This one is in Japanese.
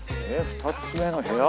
２つ目の部屋？